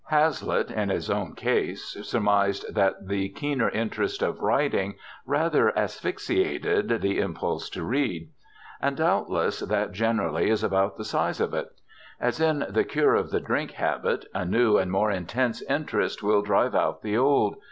Hazlitt, in his own case, surmised that the keener interest of writing rather asphyxiated the impulse to read. And, doubtless, that generally is about the size of it. As in the cure of the drink habit, a new and more intense interest will drive out the old.